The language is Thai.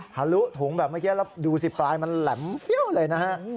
ทะลุถุงแบบเดี๋ยวดูปลายมันแหลมเฟี้ยวเลยนะฮะ